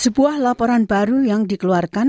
sebuah laporan baru yang dikeluarkan